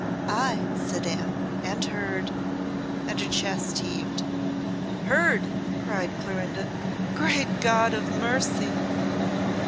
"Ay," said Anne, "and heard!" and her chest heaved. "Heard!" cried Clorinda. "Great God of mercy!"